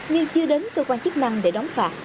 nhưng chưa đến cơ quan chức năng để đóng phạt